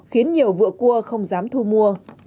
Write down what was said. khiến nhiều vựa cua không dám thu mua